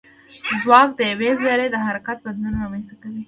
ځواک د یوې ذرې د حرکت بدلون رامنځته کوي.